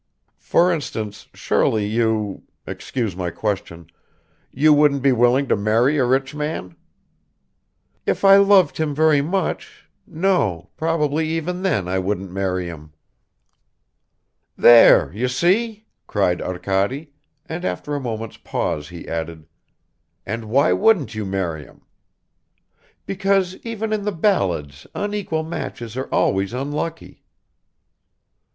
"For instance, surely you excuse my question you wouldn't be willing to marry a rich man?" "If I loved him very much ... no, probably even then I wouldn't marry him." "There, you see!" cried Arkady, and after a moment's pause he added, "And why wouldn't you marry him?" "Because even in the ballads unequal matches are always unlucky."